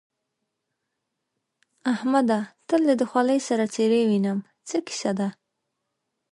احمده! تل دې د خولۍ سر څيرې وينم؛ څه کيسه ده؟